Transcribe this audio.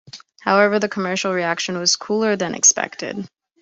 However, the commercial reaction was cooler than expected.